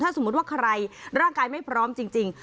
สมมุติว่าใครร่างกายไม่พร้อมจริง